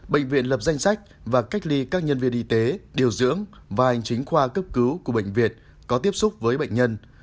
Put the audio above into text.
bệnh viện lập danh sách và cách ly các nhân viên y tế điều dưỡng và hành chính khoa cấp cứu của bệnh viện có tiếp xúc với bệnh nhân